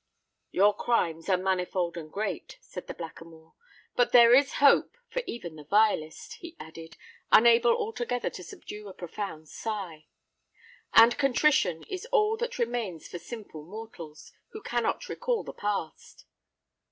"Your crimes are manifold and great," said the Blackamoor; "but there is hope for even the vilest," he added, unable altogether to subdue a profound sigh; "and contrition is all that remains for sinful mortals, who cannot recall the past."